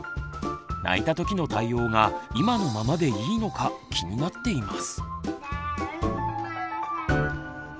泣いたときの対応が今のままでいいのか気になっています。